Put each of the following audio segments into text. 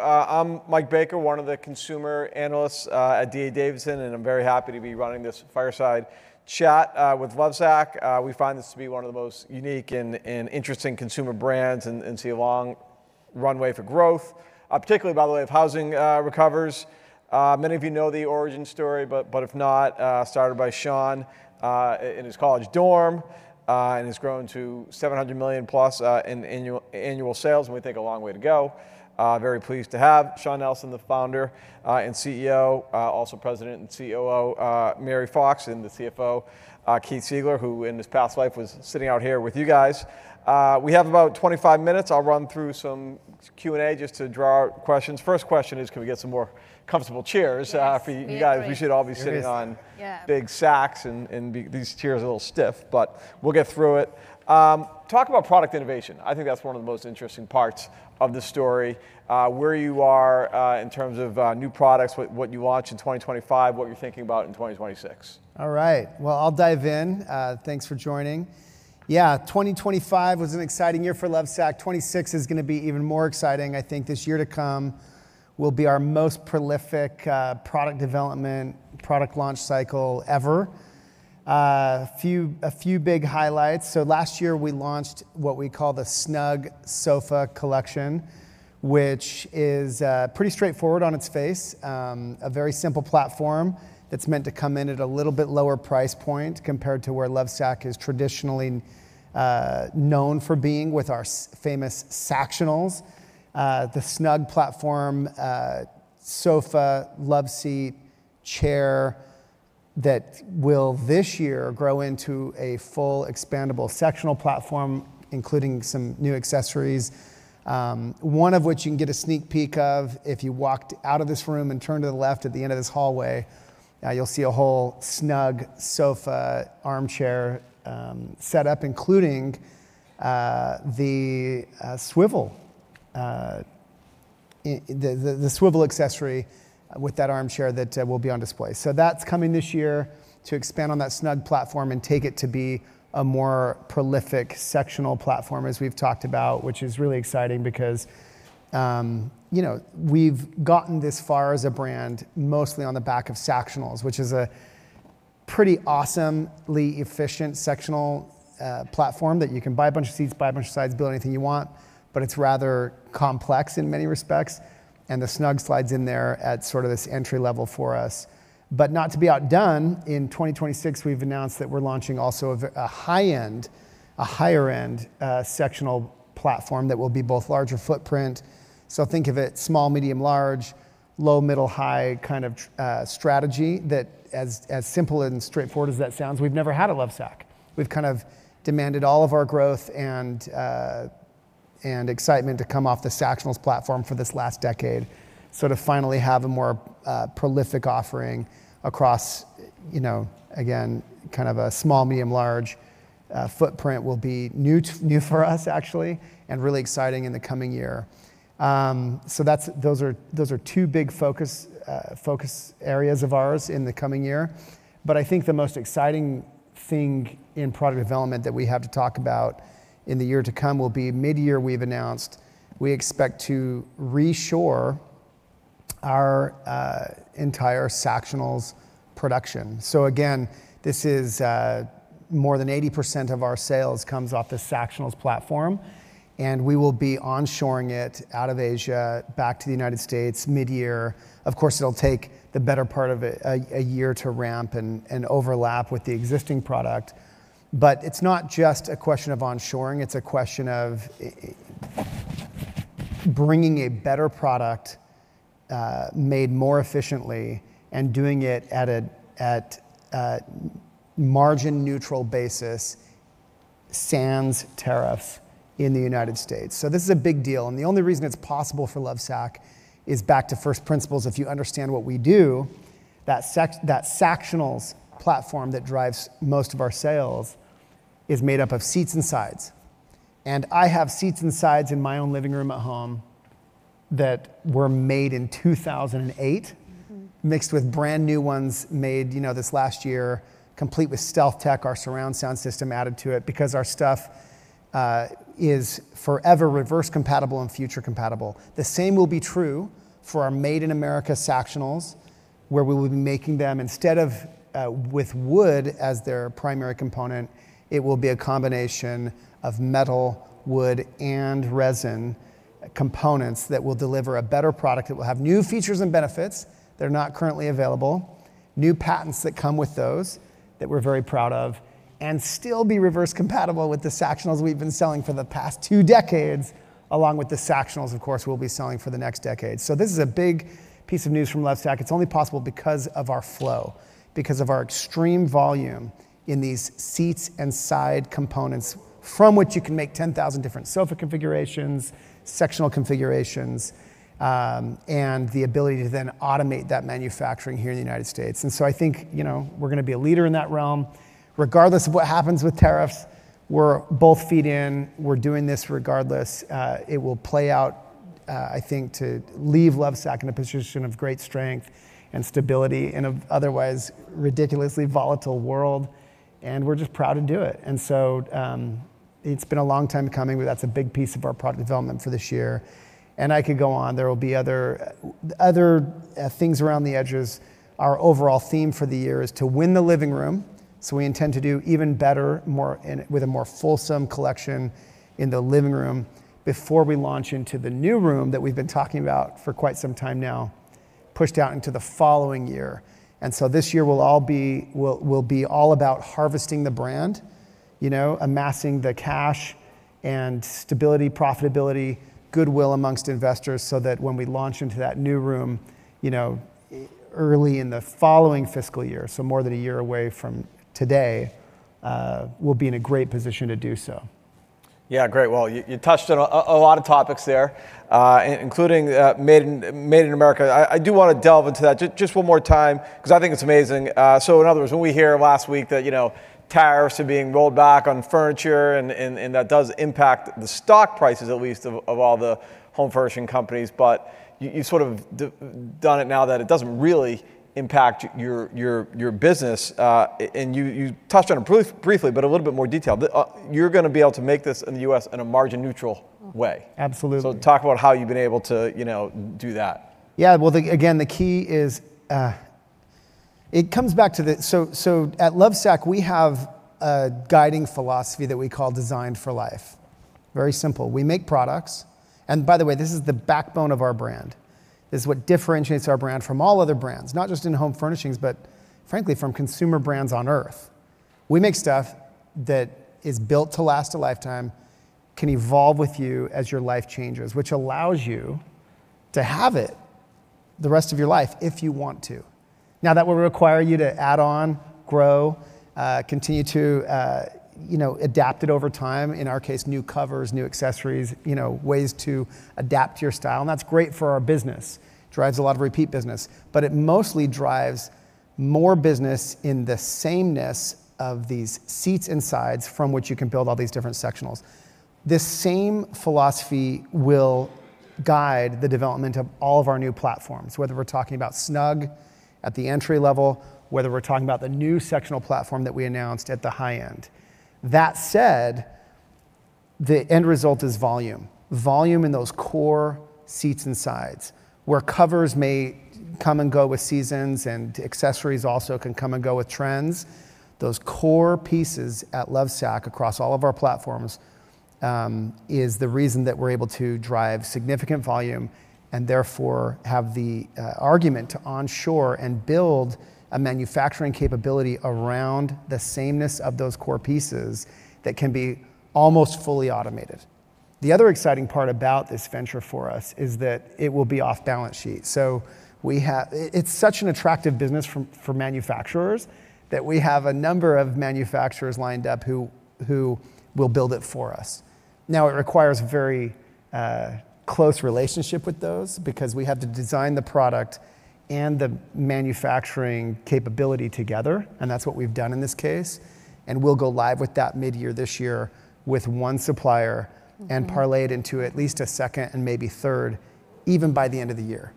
I'm Mike Baker, one of the consumer analysts at D.A. Davidson, and I'm very happy to be running this fireside chat with Lovesac. We find this to be one of the most unique and interesting consumer brands and see a long runway for growth, particularly, by the way, if housing recovers. Many of you know the origin story, but if not, started by Shawn in his college dorm and has grown to $700+ million in annual sales, and we think a long way to go. Very pleased to have Shawn Nelson, the founder and CEO, also president and COO, Mary Fox, and the CFO, Keith Siegner, who in his past life was sitting out here with you guys. We have about 25 minutes. I'll run through some Q&A just to draw questions. First question is, can we get some more comfortable chairs for you guys? We should all be sitting on big Sacs, and these chairs are a little stiff, but we'll get through it. Talk about product innovation. I think that's one of the most interesting parts of the story. Where you are in terms of new products, what you launch in 2025, what you're thinking about in 2026. All right. Well, I'll dive in. Thanks for joining. Yeah, 2025 was an exciting year for Lovesac. 2026 is going to be even more exciting. I think this year to come will be our most prolific product development, product launch cycle ever. A few big highlights. So last year we launched what we call the Snug Sofa Collection, which is pretty straightforward on its face, a very simple platform that's meant to come in at a little bit lower price point compared to where Lovesac is traditionally known for being with our famous Sactionals. The Snug platform, sofa, loveseat, chair that will this year grow into a full expandable Sactional platform, including some new accessories, one of which you can get a sneak peek of if you walked out of this room and turned to the left at the end of this hallway. You'll see a whole Snug sofa armchair setup, including the swivel, the swivel accessory with that armchair that will be on display. So that's coming this year to expand on that Snug platform and take it to be a more prolific Sactional platform, as we've talked about, which is really exciting because we've gotten this far as a brand mostly on the back of Sactionals, which is a pretty awesomely efficient Sactional platform that you can buy a bunch of seats, buy a bunch of sides, build anything you want, but it's rather complex in many respects. And the Snug slides in there at sort of this entry level for us. But not to be outdone, in 2026, we've announced that we're launching also a high-end, a higher-end Sactional platform that will be both larger footprint. So think of it small, medium, large, low, middle, high kind of strategy that, as simple and straightforward as that sounds, we've never had a Lovesac. We've kind of demanded all of our growth and excitement to come off the Sactionals platform for this last decade, sort of finally have a more prolific offering across, again, kind of a small, medium, large footprint will be new for us, actually, and really exciting in the coming year. So those are two big focus areas of ours in the coming year. But I think the most exciting thing in product development that we have to talk about in the year to come will be mid-year. We've announced we expect to reshore our entire Sactionals production. So again, this is more than 80% of our sales comes off the Sactionals platform, and we will be onshoring it out of Asia back to the United States mid-year. Of course, it'll take the better part of a year to ramp and overlap with the existing product, but it's not just a question of onshoring. It's a question of bringing a better product made more efficiently and doing it at a margin-neutral basis, sans tariffs in the United States. So this is a big deal. And the only reason it's possible for Lovesac is back to first principles. If you understand what we do, that Sactionals platform that drives most of our sales is made up of seats and sides. I have seats and sides in my own living room at home that were made in 2008, mixed with brand new ones made this last year, complete with StealthTech, our surround sound system added to it because our stuff is forever reverse compatible and future compatible. The same will be true for our Made-in-America Sactionals, where we will be making them instead of with wood as their primary component. It will be a combination of metal, wood, and resin components that will deliver a better product that will have new features and benefits that are not currently available, new patents that come with those that we're very proud of, and still be reverse compatible with the Sactionals we've been selling for the past two decades, along with the Sactionals, of course, we'll be selling for the next decade. This is a big piece of news from Lovesac. It's only possible because of our flow, because of our extreme volume in these seats and side components from which you can make 10,000 different sofa configurations, Sactional configurations, and the ability to then automate that manufacturing here in the United States. And so I think we're going to be a leader in that realm. Regardless of what happens with tariffs, we're both feet in. We're doing this regardless. It will play out, I think, to leave Lovesac in a position of great strength and stability in an otherwise ridiculously volatile world. And we're just proud to do it. And so it's been a long time coming, but that's a big piece of our product development for this year. And I could go on. There will be other things around the edges. Our overall theme for the year is to win the living room. We intend to do even better, with a more fulsome collection in the living room before we launch into the new room that we've been talking about for quite some time now, pushed out into the following year. This year will be all about harvesting the brand, amassing the cash and stability, profitability, goodwill amongst investors so that when we launch into that new room early in the following fiscal year, so more than a year away from today, we'll be in a great position to do so. Yeah, great. Well, you touched on a lot of topics there, including Made in America. I do want to delve into that just one more time because I think it's amazing. So in other words, when we hear last week that tariffs are being rolled back on furniture, and that does impact the stock prices, at least of all the home furnishing companies, but you've sort of done it now that it doesn't really impact your business. And you touched on it briefly, but a little bit more detail. You're going to be able to make this in the U.S. in a margin-neutral way. Absolutely. So talk about how you've been able to do that. Yeah. Well, again, the key is it comes back to the, so at Lovesac, we have a guiding philosophy that we call Designed for Life. Very simple. We make products. And by the way, this is the backbone of our brand. This is what differentiates our brand from all other brands, not just in home furnishings, but frankly, from consumer brands on earth. We make stuff that is built to last a lifetime, can evolve with you as your life changes, which allows you to have it the rest of your life if you want to. Now, that will require you to add on, grow, continue to adapt it over time, in our case, new covers, new accessories, ways to adapt your style. And that's great for our business. It drives a lot of repeat business, but it mostly drives more business in the sameness of these seats and sides from which you can build all these different Sactionals. This same philosophy will guide the development of all of our new platforms, whether we're talking about Snug at the entry level, whether we're talking about the new Sactional platform that we announced at the high end. That said, the end result is volume, volume in those core seats and sides where covers may come and go with seasons and accessories also can come and go with trends. Those core pieces at Lovesac across all of our platforms is the reason that we're able to drive significant volume and therefore have the argument to onshore and build a manufacturing capability around the sameness of those core pieces that can be almost fully automated. The other exciting part about this venture for us is that it will be off balance sheet, so it's such an attractive business for manufacturers that we have a number of manufacturers lined up who will build it for us. Now, it requires a very close relationship with those because we have to design the product and the manufacturing capability together, and that's what we've done in this case, and we'll go live with that mid-year this year with one supplier and parlay it into at least a second and maybe third, even by the end of the year,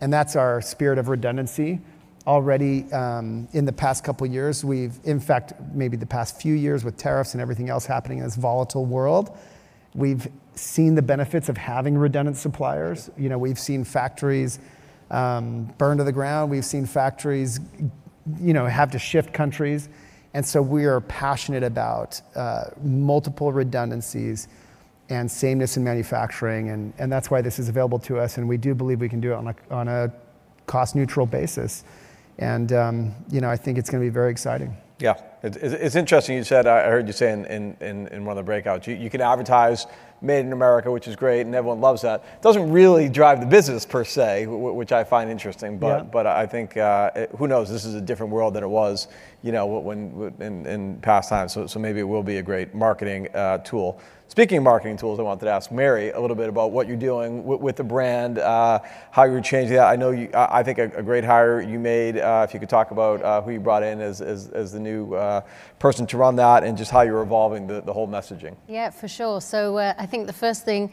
and that's our spirit of redundancy. Already in the past couple of years, we've, in fact, maybe the past few years with tariffs and everything else happening in this volatile world, we've seen the benefits of having redundant suppliers. We've seen factories burn to the ground. We've seen factories have to shift countries. And so we are passionate about multiple redundancies and sameness in manufacturing. And that's why this is available to us. And we do believe we can do it on a cost-neutral basis. And I think it's going to be very exciting. Yeah. It's interesting you said, I heard you say in one of the breakouts, you can advertise Made in America, which is great, and everyone loves that. It doesn't really drive the business per se, which I find interesting, but I think who knows? This is a different world than it was in past times. So maybe it will be a great marketing tool. Speaking of marketing tools, I wanted to ask Mary a little bit about what you're doing with the brand, how you're changing that. I think a great hire you made. If you could talk about who you brought in as the new person to run that and just how you're evolving the whole messaging. Yeah, for sure, so I think the first thing,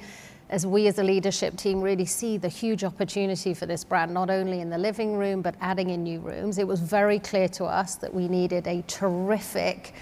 as we as a leadership team really see the huge opportunity for this brand, not only in the living room, but adding in new rooms. It was very clear to us that we needed a terrific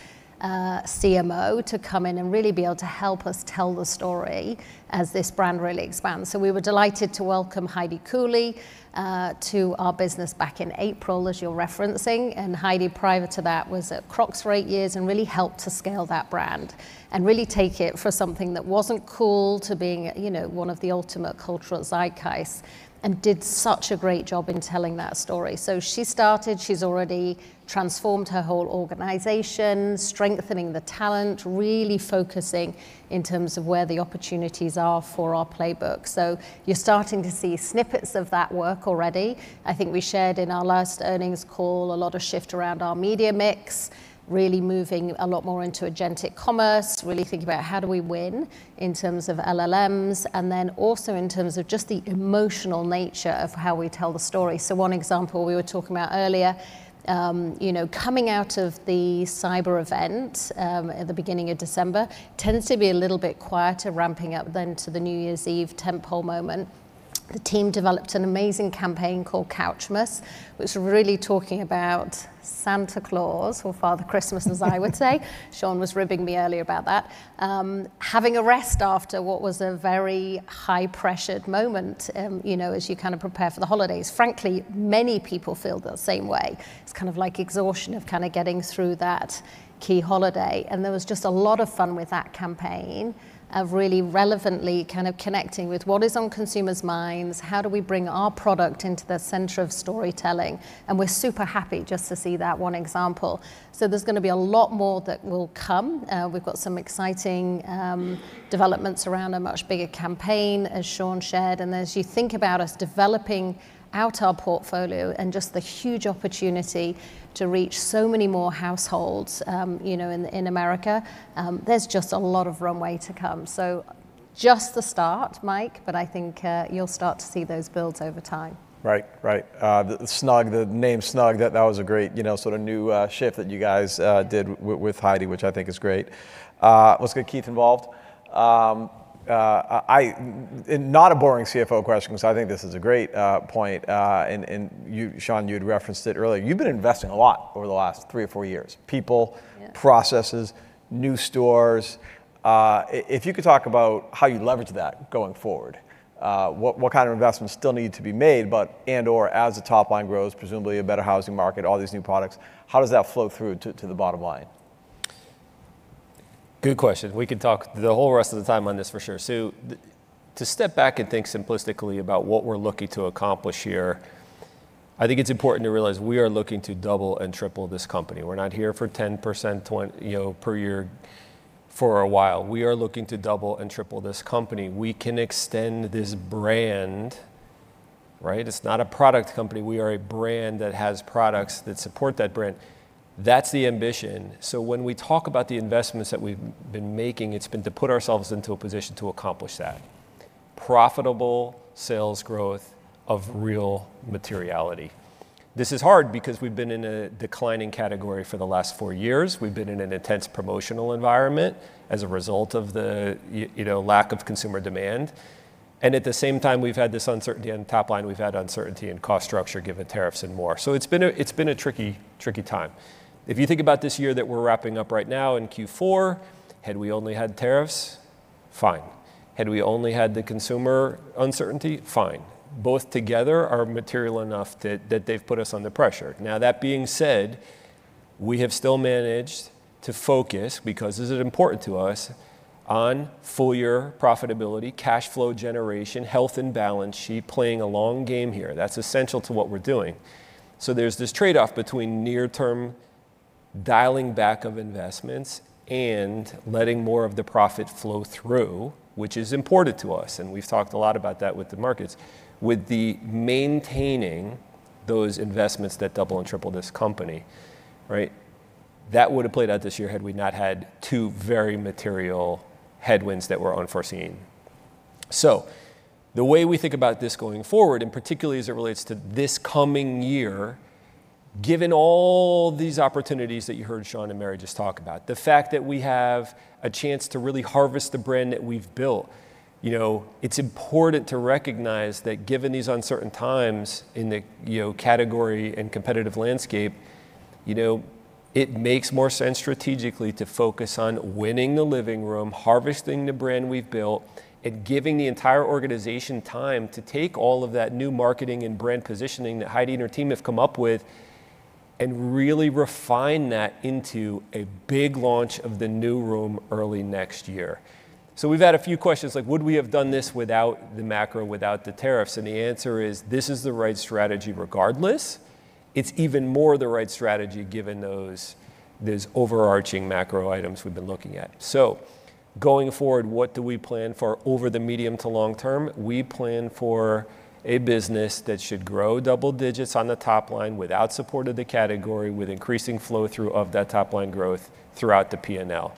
CMO to come in and really be able to help us tell the story as this brand really expands, so we were delighted to welcome Heidi Cooley to our business back in April, as you're referencing, and Heidi, prior to that, was at Crocs for eight years and really helped to scale that brand and really take it from something that wasn't cool to being one of the ultimate cultural zeitgeists and did such a great job in telling that story, so she started, she's already transformed her whole organization, strengthening the talent, really focusing in terms of where the opportunities are for our playbook. So you're starting to see snippets of that work already. I think we shared in our last earnings call a lot of shift around our media mix, really moving a lot more into agentic commerce, really thinking about how do we win in terms of LLMs, and then also in terms of just the emotional nature of how we tell the story. So one example we were talking about earlier, coming out of the Cyber event at the beginning of December tends to be a little bit quieter, ramping up then to the New Year's Eve tentpole moment. The team developed an amazing campaign called Couchmas, which was really talking about Santa Claus or Father Christmas, as I would say. Shawn was ribbing me earlier about that, having a rest after what was a very high-pressured moment as you kind of prepare for the holidays. Frankly, many people feel the same way. It's kind of like exhaustion of kind of getting through that key holiday. And there was just a lot of fun with that campaign of really relevantly kind of connecting with what is on consumers' minds, how do we bring our product into the center of storytelling. And we're super happy just to see that one example. So there's going to be a lot more that will come. We've got some exciting developments around a much bigger campaign, as Shawn shared. And as you think about us developing out our portfolio and just the huge opportunity to reach so many more households in America, there's just a lot of runway to come. So just the start, Mike, but I think you'll start to see those builds over time. Right, right. The name Snug, that was a great sort of new shift that you guys did with Heidi, which I think is great. Let's get Keith involved. Not a boring CFO question, because I think this is a great point. And Shawn, you had referenced it earlier. You've been investing a lot over the last three or four years: people, processes, new stores. If you could talk about how you leverage that going forward, what kind of investments still need to be made, and/or as the top line grows, presumably a better housing market, all these new products, how does that flow through to the bottom line? Good question. We could talk the whole rest of the time on this for sure. So to step back and think simplistically about what we're looking to accomplish here, I think it's important to realize we are looking to double and triple this company. We're not here for 10% per year for a while. We are looking to double and triple this company. We can extend this brand. It's not a product company. We are a brand that has products that support that brand. That's the ambition. So when we talk about the investments that we've been making, it's been to put ourselves into a position to accomplish that: profitable sales growth of real materiality. This is hard because we've been in a declining category for the last four years. We've been in an intense promotional environment as a result of the lack of consumer demand. And at the same time, we've had this uncertainty on the top line. We've had uncertainty in cost structure given tariffs and more. So it's been a tricky time. If you think about this year that we're wrapping up right now in Q4, had we only had tariffs, fine. Had we only had the consumer uncertainty, fine. Both together are material enough that they've put us under pressure. Now, that being said, we have still managed to focus, because this is important to us, on full year profitability, cash flow generation, health and balance sheet playing a long game here. That's essential to what we're doing. So there's this trade-off between near-term dialing back of investments and letting more of the profit flow through, which is important to us. And we've talked a lot about that with the markets, with maintaining those investments that double and triple this company. That would have played out this year had we not had two very material headwinds that were unforeseen. So the way we think about this going forward, and particularly as it relates to this coming year, given all these opportunities that you heard Shawn and Mary just talk about, the fact that we have a chance to really harvest the brand that we've built, it's important to recognize that given these uncertain times in the category and competitive landscape, it makes more sense strategically to focus on winning the living room, harvesting the brand we've built, and giving the entire organization time to take all of that new marketing and brand positioning that Heidi and her team have come up with and really refine that into a big launch of the new room early next year. So we've had a few questions like, would we have done this without the macro, without the tariffs? And the answer is this is the right strategy regardless. It's even more the right strategy given those overarching macro items we've been looking at. So going forward, what do we plan for over the medium to long term? We plan for a business that should grow double digits on the top line without support of the category, with increasing flow through of that top line growth throughout the P&L.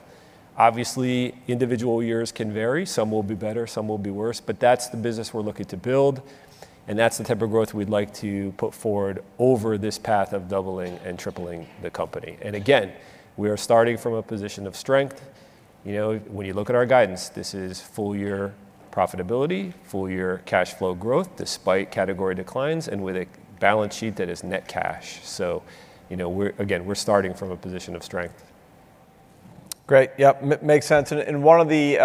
Obviously, individual years can vary. Some will be better, some will be worse, but that's the business we're looking to build. And that's the type of growth we'd like to put forward over this path of doubling and tripling the company. And again, we are starting from a position of strength. When you look at our guidance, this is full year profitability, full year cash flow growth despite category declines and with a balance sheet that is net cash. So again, we're starting from a position of strength. Great. Yep, makes sense. And one of the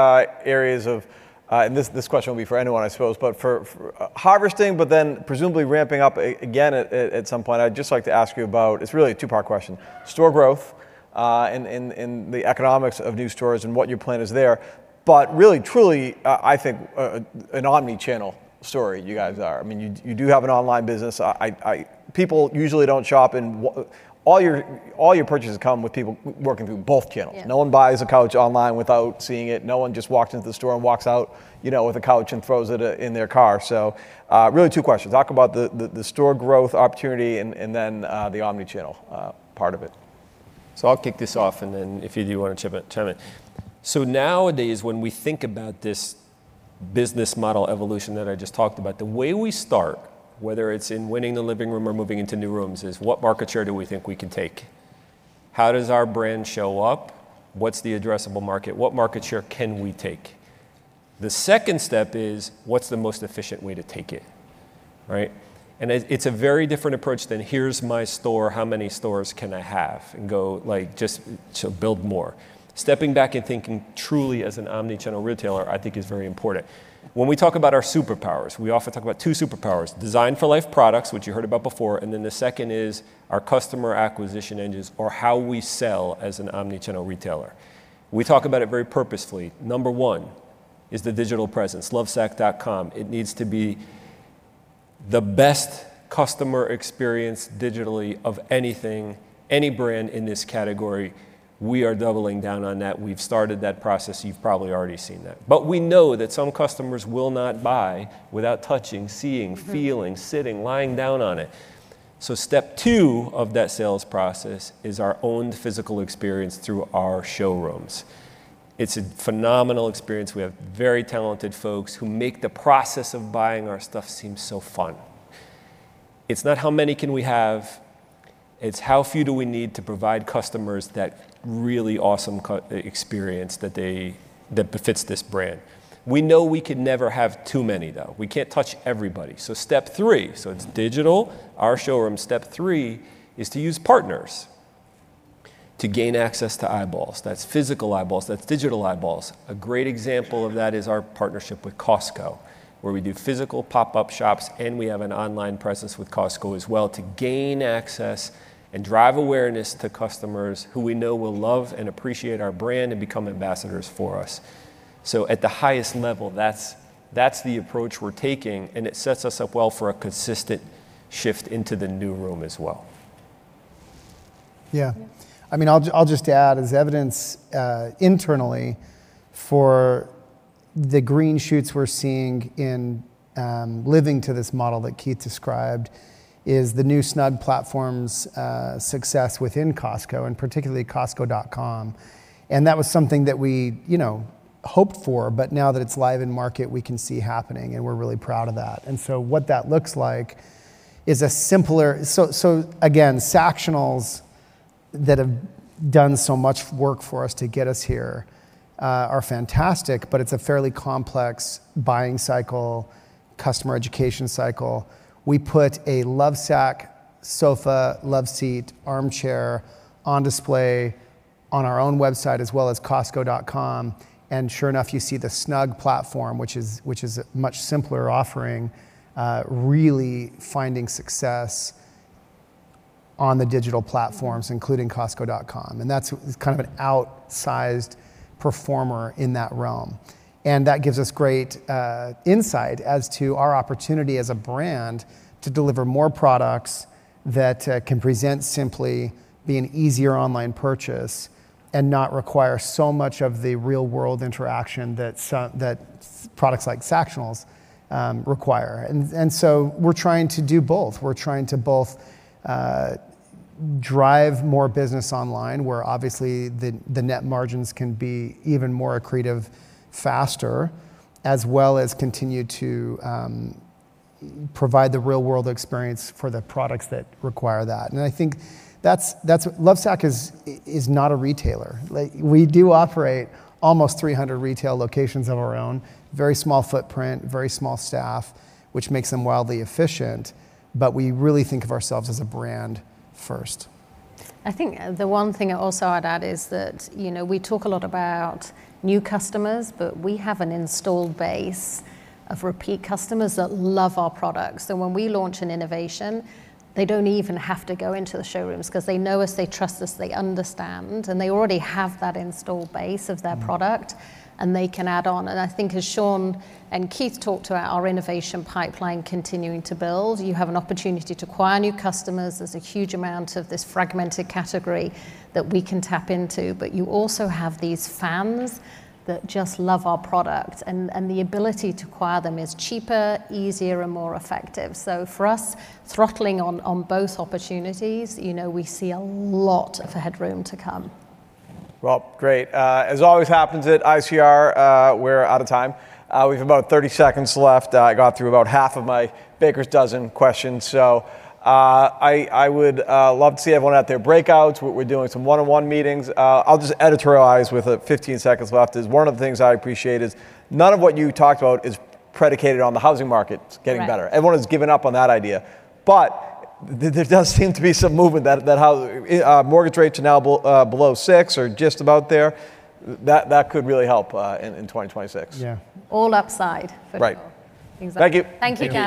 areas of, and this question will be for anyone, I suppose, but for harvesting, but then presumably ramping up again at some point, I'd just like to ask you about, it's really a two-part question: store growth and the economics of new stores and what your plan is there. But really, truly, I think an omnichannel story you guys are. I mean, you do have an online business. People usually don't shop in all your purchases come with people working through both channels. No one buys a couch online without seeing it. No one just walks into the store and walks out with a couch and throws it in their car. So really two questions. Talk about the store growth opportunity and then the omnichannel part of it. I'll kick this off, and then if you do want to chime in. Nowadays, when we think about this business model evolution that I just talked about, the way we start, whether it's in winning the living room or moving into new rooms, is what market share do we think we can take? How does our brand show up? What's the addressable market? What market share can we take? The second step is what's the most efficient way to take it? And it's a very different approach than here's my store, how many stores can I have and go just to build more. Stepping back and thinking truly as an omnichannel retailer, I think is very important. When we talk about our superpowers, we often talk about two superpowers: Designed for Life products, which you heard about before, and then the second is our customer acquisition engines or how we sell as an omnichannel retailer. We talk about it very purposefully. Number one is the digital presence. Lovesac.com. It needs to be the best customer experience digitally of anything, any brand in this category. We are doubling down on that. We've started that process. You've probably already seen that. But we know that some customers will not buy without touching, seeing, feeling, sitting, lying down on it. So step two of that sales process is our owned physical experience through our showrooms. It's a phenomenal experience. We have very talented folks who make the process of buying our stuff seem so fun. It's not how many can we have. It's how few do we need to provide customers that really awesome experience that befits this brand. We know we can never have too many, though. We can't touch everybody. So step three, so it's digital, our showroom. Step three is to use partners to gain access to eyeballs. That's physical eyeballs. That's digital eyeballs. A great example of that is our partnership with Costco, where we do physical pop-up shops, and we have an online presence with Costco as well to gain access and drive awareness to customers who we know will love and appreciate our brand and become ambassadors for us. So at the highest level, that's the approach we're taking, and it sets us up well for a consistent shift into the new room as well. Yeah. I mean, I'll just add as evidence internally for the green shoots we're seeing in living to this model that Keith described is the new Snug platform's success within Costco and particularly Costco.com. And that was something that we hoped for, but now that it's live in market, we can see happening, and we're really proud of that. And so what that looks like is a simpler, so again, Sactionals that have done so much work for us to get us here are fantastic, but it's a fairly complex buying cycle, customer education cycle. We put a Lovesac sofa, loveseat, armchair on display on our own website as well as Costco.com. And sure enough, you see the Snug platform, which is a much simpler offering, really finding success on the digital platforms, including Costco.com. And that's kind of an outsized performer in that realm. And that gives us great insight as to our opportunity as a brand to deliver more products that can present simply, be an easier online purchase, and not require so much of the real-world interaction that products like Sactionals require. And so we're trying to do both. We're trying to both drive more business online where obviously the net margins can be even more accretive faster, as well as continue to provide the real-world experience for the products that require that. And I think Lovesac is not a retailer. We do operate almost 300 retail locations of our own, very small footprint, very small staff, which makes them wildly efficient, but we really think of ourselves as a brand first. I think the one thing I'll also add is that we talk a lot about new customers, but we have an installed base of repeat customers that love our products, and when we launch an innovation, they don't even have to go into the showrooms because they know us, they trust us, they understand, and they already have that installed base of their product, and they can add on, and I think as Shawn and Keith talked about our innovation pipeline continuing to build, you have an opportunity to acquire new customers. There's a huge amount of this fragmented category that we can tap into, but you also have these fans that just love our product, and the ability to acquire them is cheaper, easier, and more effective, so for us, throttling on both opportunities, we see a lot of headroom to come. Right, great. As always happens at ICR, we're out of time. We have about 30 seconds left. I got through about half of my Baker's Dozen questions. So I would love to see everyone at their breakouts. We're doing some one-on-one meetings. I'll just editorialize with 15 seconds left as one of the things I appreciate is none of what you talked about is predicated on the housing market getting better. Everyone has given up on that idea. But there does seem to be some movement that mortgage rates are now below six or just about there. That could really help in 2026. Yeah. All upside for now. Thank you. Thank you.